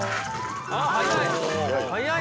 あっ速い！